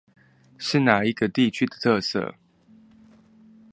是那一個地區的特色？